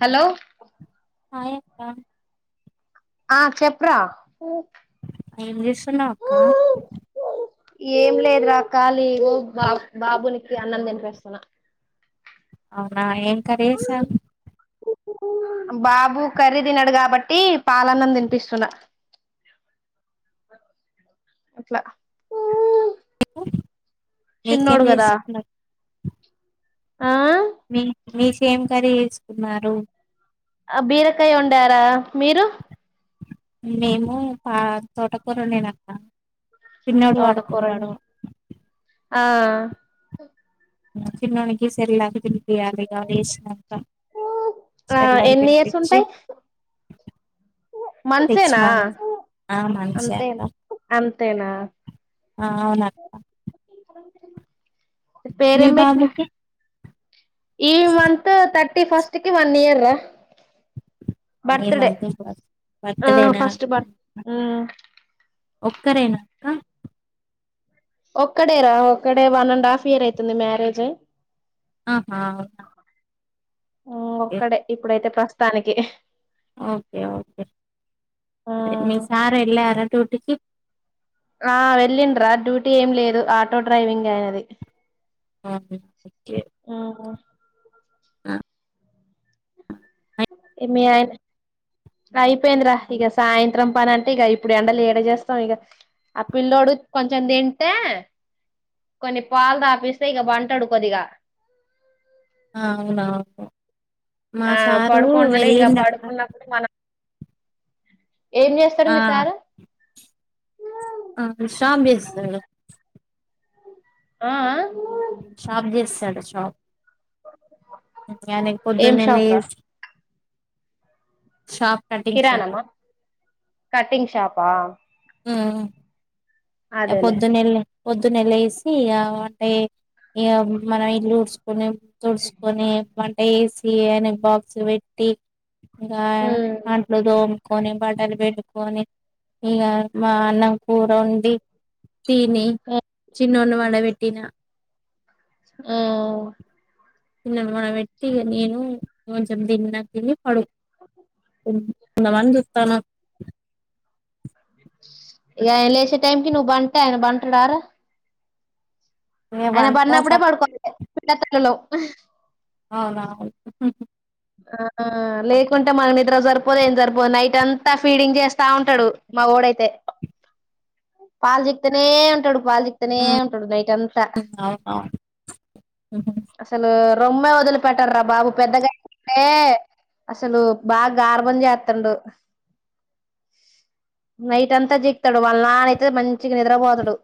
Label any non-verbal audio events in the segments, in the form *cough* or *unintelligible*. hello hi అక్క ఆ చెప్రా ఏం చేస్తున్నావ్ అక్క ఏం లేదురా ఖాళీ ఓ బాబ బాబునికి అన్నం తినిపిస్తున అవునా ఏం కర్రీ చేసావ్ బాబు కర్రీ తినడు కాబట్టి పాలన్నం తినిపిస్తున్న అట్లా మీకేం చిన్నోడు కదా చేసుకున్నారు ఆ మీ మీ కేమ్ కర్రీ చేసుకున్నారు ఆ బీరకాయ వండారా మీరు మేము పా తోటకూర వండిన అక్క తోట కూర ఆ అ చిన్నోనికి సెర్లక్ తి రియాలిగా వసినాక ఆ ఎల్లా ఎన్ని ఇయర్స్ వినిపించి ఉంటాయి సిక్స్ మంత్సేనా మంత్స్ ఆ మంత్స్ ఏ అంతే అక్క అంతేనా అవునక్క మీ పేరెం పెట్న బాబుకి ఈ మంతు థర్ట్ ఫస్ట్ కి వన్ ఇయర్ రా అ బర్త్ డే మంత ఆ బర్తడేనా ఫస్ట్ బర్ మ్ ఒక్కరేనా ఆ ఒక్కడే రా ఒక్కడే వన్ అండ్ హాఫ్ ఇయర్ అవుతుంది మ్యారేజ్ అయి ఆహా ఓకే ఒక్కడే ఇప్పుడైతే ప్రస్తు స్థానికి ఓకే ఓకే అరే మీ మ్ సార్ ఎల్లార తోటికి ఆ వెళ్ళిండ్రా డ్యూటీ ఏం లేదు ఆటో డ్రైవింగ్ ఆయినది ఆ ఒకే ఆ మి అయి అయిపోయిందిరా ఇక సాయంత్రం పని అంటే ఇక ఇప్పుడు ఎండలుడ చేస్తాం ఇక ఆ పిల్లోడు కొంచెం తింటే కొన్ని పాలు తాపిస్తే ఇక బంటడు కొద్దిగా ఆ అవునా ఆ పడుకుంటాడుే ఇంకా పడుకున్నప్పుడు మనం ఏం చేస్తాడు ఆ మీ సార్ ఆ కుశ్శం చేస్తుండు *inaudible* ఆ ఆ సాబ్ చేస్తాడు అ సాబ్ అనీ ఏం పొద్దున్నే లే షాప్ రా కటింగ్ షాప్ కిరాణమా కటింగ్ షాపా ఆ ఎ అదేలే పొద్దున ఎల్ల పొద్దున్నెల వేసి అంటే ఇ మనం ఇల్లు ఉడ్చుకుని తుడ్స్కొని మ అసి అని బాక్స్ పెట్టి ఇంకా ఉమ్ అంట్లు తోం కొని బట్టలు పిండుకొని ఇక మా అన్నం కూర ఉండి తీని చిన్నోన్ని వ అడవెట్టిన ఉ చిన్న మ వట్టిగా నేను కొంచెం దిన్నాక తిని పడు అ అందమాన చూత్తను ఇ ఆయ లేసే టైంకిి నువ్వు బంటే ఆయన బంటడర ఇగ ఆయన పండుకో పడినప్పుడే సప్ పడుకోవాలి పల తలలో ఆ అవునా ఆ లేకుంటే మ నిద్రజ సరిపోదు ఏం జరిపోదు నైట్ అంతా ఫీడింగ్ చేస్తా ఉంటాడు మా ఒడు ఐతే పాలు చికుతేనే ఉంటాడు పాలు చికితేనే ఉంటాడు నైట్ అంతా అవునవును అసలు రొమ్మ వదిలిపెట్టార రా బాబు పెద్దగా ఏ అసలు బాగా గార్భం చేస్తాండు నైట్ అంతా జికుతాడు వళ నాన అయితే మంచిగా నిద్రపోతాడు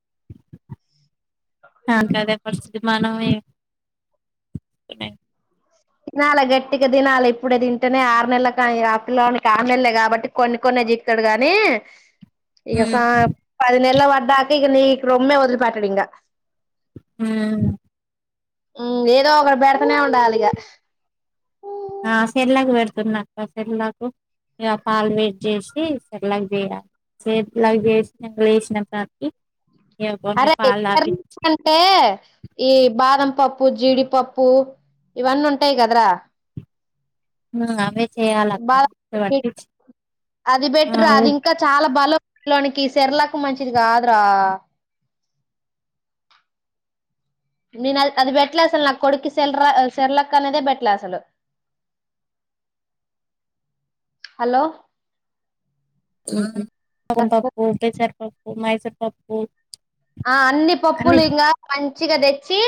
*unintelligible* అ తినాలి గట్టిగా తినాలి ఇప్పుడే తింటేనే ఆరు నెల కానీ రాత్రిలోనికి ఆరు నెలలే కాబట్టి కొన్ని కొనే జికుతాడు గాని ఇక సా ఉమ్ పది నేనలూ అలా తాతే నీకు రొమ్మే వదిలిపట్టడు ఇంగ ఆ ఏదో ఒకరు పెడతనే ఉండాలిక *inaudible* ఆ సెల్లకు పెడుతున్నాక్క సిర్లాకు ఇక పాలు వయిట్ చేసి సల్లకు చేయాలి చిర్లాగా చేసి లేసినప్పనికి అరే అంటే ఈ బాదం పప్పు జీడిపప్పు ఇవన్నీ ఉంటాయి కదరా అవే చేయాలక్క మిక్సీ పట్టి అది ఆ బెటర్ ఉ అది ఇంకా చాలా బలం లోనికి సర్లాకు మంచిది కాదురా నేను అది పెట్లే అసలు నా కొడుకి సెర్ర చెర్లక్క అనేదే పెట్లే అసలు హలో పవం పాప పసారు పప్ప మాయచ పప ఆ అన్ని పప్పులు ఇకా చ కదే చే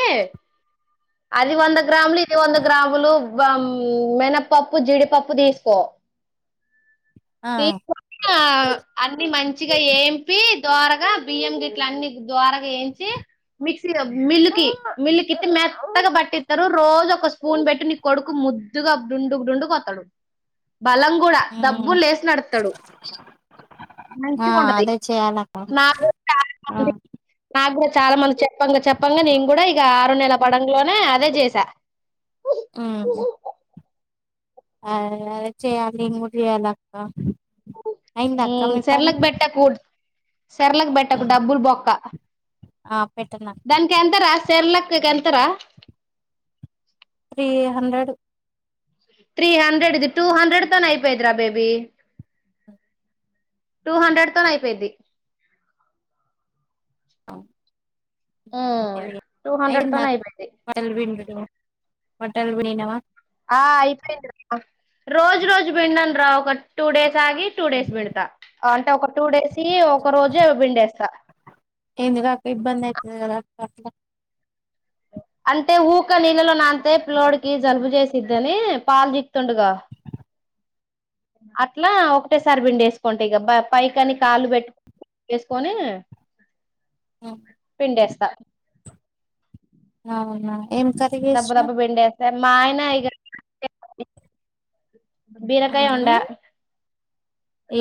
అది వంద గ్రాములు ఇది వంద గ్రాములు మినపప్పు జీడిపప్పు తీసుకో ఆ తీసుకు అన్నిీ మంచిగా ఏంపి ద్వారగా బియ్యం గిట్ల అన్ని ద్వారగా వేంచి మిక్సీ మిల్లుి మిల్లు క ఇ మ అత్తగా పట్టిస్తారు రోజు ఒక స్పూన్ పెట్టి నీ కొడుకు ముద్దుగాండుండుకు వతాడు బలం కూడా ఉమ్ డబ్బులు లేసి నడతాడు మంచి ఆ ఉండది అదే చేయాలక్క నాగ ఆ నాగ చాలా మంది చెప్పంగా చెప్పంగా నేను కూడా ఇక ఆరు నెల పడ లోనే అదే చేసా ఆ ఆ చేయాలి ముడియాలక్క సెర్లకి బెట్టక కూఊడ్ సర్లలకు పెట్టకు ఉమ్ డబ్బులు బొక్క ఆ పెట్టనక్క తెర్లకక ఎంతరా త్రీ హండ్రెడ్ త్రీ హండ్రెడ్ ఇది టూ హండ్రెడ్ తన అయిపోయిదరా బేబి టూ హండ్రెడ్ తోన అయిపోయిద్ది అ ఉ టూ హండ్రెడ్ తోనే అయిపోయింది మట్టలు బడినావా ఆ అయిపోయింది రా రోజు రోజు వింను రా ఒక టూ డేస్ ఆగి టూ డేస్ బీళ్తా అంటే ఒక టూ డేస్ క ఒక రోజు బిండేస్తా ఎందుకు అక్క ఇబ్బంది అయితది కదా అక్క అట్లా అంటే ఊక నీళ్ళలో నాంతే పిలోడికి జలుబు చేసిద్దని పాలు చీకుతుండుగా, అట్లా ఒకటేసారి పిండేసుకుంటా ఇగ బ పై కాని కాలు పెట్టు వేసుకొని, ఉమ్ పిండేస్ త అవునా ఏం కర్రీ దబ్బ దబ్బ చేసినవ్ పిండేస్తారు మా ఆయనా ఇగ బీరకాయ వండా ఉమ్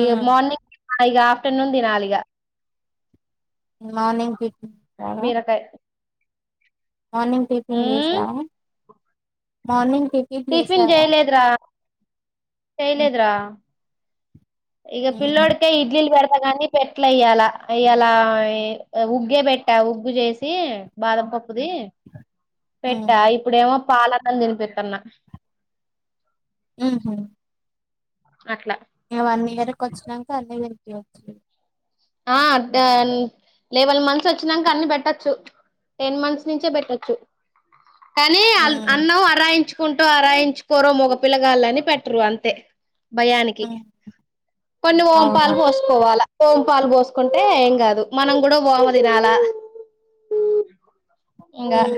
ఇగ మార్నింగ్ ఇగ ఆఫ్టర్నూన్ తినాలిగా మార్నింగ్ కి బీరకాయ్ మార్నింగ్ టిఫిన్ చేసా ఉమ్ మార్నింగ్ టిఫిన్ చేయలేదు రా ఉమ్ చేయలేదురా ఇగ ఉమ్ పిల్లోడికే ఇడ్లీలు పెడతా కాని పెట్ల ఈయ్యాల ఇయ్యాల ఉగ్గే పెట్ట ఉగ్గు చేసి బాదం పప్పు ది పెట్ట ఉమ్ ఇప్పుడేమో పాల అన్నం తినిపితున్న ఉహు అట్లా ఇవన్నీ వరకు వచ్చినంక అన్ని *unintelligible* ఆ టెన్ లెవెల్ మంత్స్ వచ్చినాక అన్ని పెట్టొచ్చు టెన్ మంత్స్ నుంచే పెట్టచ్చు కానీ అ ఉమ్ అన్నం అరయించు కుంటూ ఆరాయించుకోరు మగపిల్లగాళ్ళని పెట్టరు అంతే భయానికి ఉమ్ కొన్ని అవునా ఓంపాలు పోసుకోవాలా ఓం పాలు పోసుకుంటే ఏం కాదు మనం కూడా ఓం తినాలా ఇంగ ఉమ్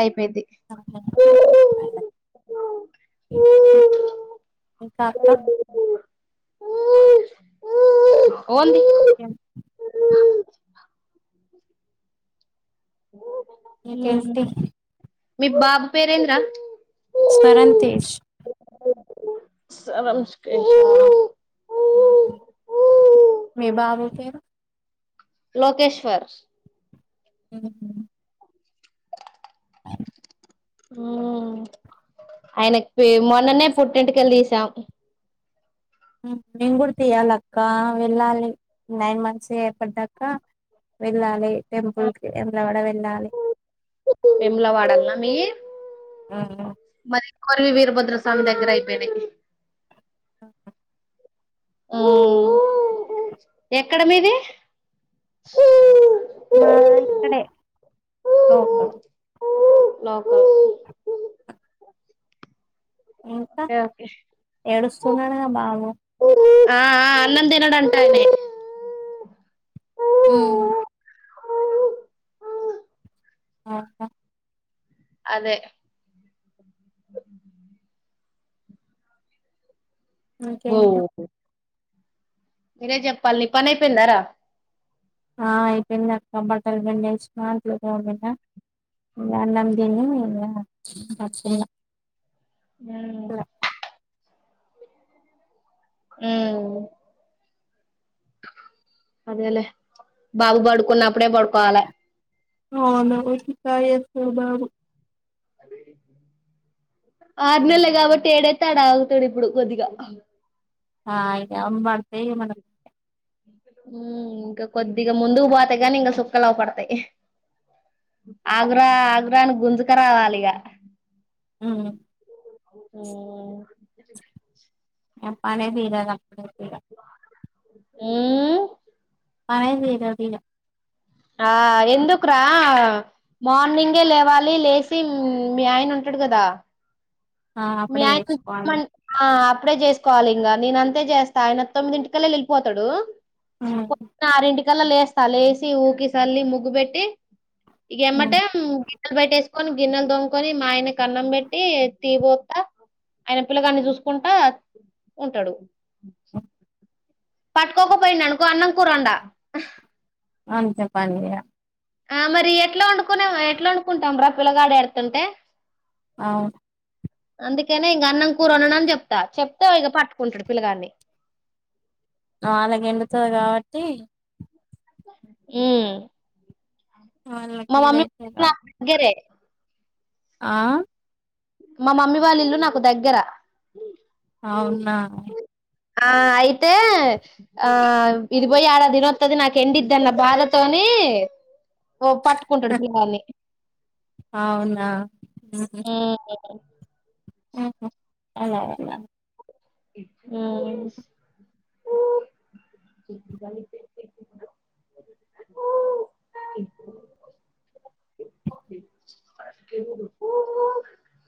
అయిపో ది ఆహా కాకా వోంది ఎం ఇంకేంటి మీ బాబు పేరేంద్రా స్వరంతేష్ సరంస్కేష్ ఆ మీ బాబుకి లోకేశ్వర్ హ్మ్ ఆయనకి మొన్ననే పుట్టినంటికలు తీసాం మేము కూడా తీయాలక్క వెళ్ళాలి నైన్ మంత్స్ ఏపడ్డాక్క వెళ్ళాలి టెంపుల్ ఎవడ వెళ్ళాలి విమ్లా వాడాలన్నా మీ ఉమ్ మరి కొరివి వీరభద్ర స్వామి దగ్గర అయిపోయినాయి ఆఓ ఎక్కడ మీది మా ఇక్కడే లోకల్ లోకల్ ఇంకా ఓకే ఓకే ఎడు స స్తున్నాడు గ బాబు ఆ ఆ అన్నం తినడంటండి హ్మ్ ఓ ఆహా అదే బో ఇంకేంటి మీరే చెప్పాల్ నీపనైపోయిందా రా ఆ అయిపోయింది అక్క బట్టలు పిండేసిన అంట్లు తోమిన ఇగ అన్నం తిని ఇంగ చెయలా హ్మ్ ఉమ్ అదేలే బాబు పడుకున్నప్పుడే పడుకోవాలి అవును *inaudible* బాబు ఆరు నెలలు కాబట్టి ఏడైతేడ ఆడ ఆగుతాడు ఇప్పుడు కొద్దిగా ఆ అయిగాన బడితే మన ఇంకా కొద్దిగా ముందుకు పోతే గాని ఇంకా సుక్కలు అవుపడతాయి ఆగరా ఆగరానికి గుంజుక రావాలి ఇక హ్మ్ ఉమ్ చెపనే తీరే అప్పుడు ఆ పే చేదు అరా ఆ ఎందుకు రా మార్నింగే లేవాలి లేసి మీ ఆయన ఉంటాడు కదా ఆ మీ అప్పుడే అయన ఆ చేసుకోవాలి కు అప్పుడే చేసుకోవాలి ఇంకా నేన అంతే చేస్తా ఆయన తొమ్మిది ఇంటికళ్ళ వెళ్ళిపోతాడు ఉమ్ అరింటికి కలా లేస్తా లేచి ఊకి సల్లి ముగ్గు పెెట్టి ఇగ ఉమ్ ఏమ్మటం గీన్నెలు బయటేస్ కొని గిన్నెలు తోముకోని మాయనకి అన్నం పెట్టి తీ ఆయన పిల్లగాన్ని చూసుకుంటా ఉంటాడు పట్టుకోపొఇండు అనుకో అన్నం కూర వండ అంతే పని ఇగ ఆ మరి ఎట్లా వండుకునే ఎట్లా వండుకుంటాం రా పిల్లగాడు ఎడుతుంటే అవు అందుకేనే ఇగ అన్నం కూర వండను అని చెప్తా గా పట్టుకుంటాడు పిల్లగాని వాళగ ఎండుతో కాబట్టి ఏ వాళ్ళకి మా మమ్మీ ఏదైతే నాగరే ఆ మా మమ్మీ వాళ్ళ ఇల్లు నాకు దగ్గర అవునా ఆ అయితే ఆ ఇరవై ఆడా దినోతుది నాకు ఎండిద్దన్న బాధతోని ఓ పట్టుకుంటాడు పిళ్ళగాన్ని అవునా అఓ ఆహ అలా అలా హ్మ్